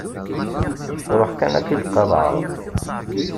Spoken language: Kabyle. Ṛuḥ kan ad k-id-qaḍɛeɣ.